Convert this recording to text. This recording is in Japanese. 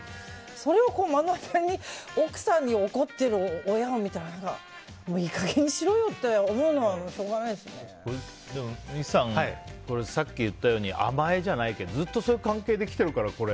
それを目の当たりに奥さんに怒ってる親を見たらいい加減にしろよって思うのは三木さん、さっき言ったように甘えじゃないけどずっとそういう関係できてるから。